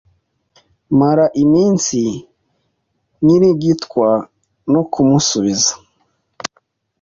Mara iminsi nkirigitwa no kumusubiza